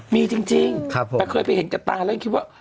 มีจริงแต่เคยไปเห็นกับตาแล้วยังคิดว่า